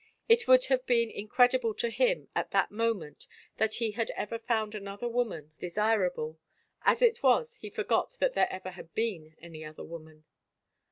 It would have been incredible to him at that moment that he had ever found another woman 107 THE FAVOR OF KINGS desirable. As it was he forgot that there ever had been any other woman.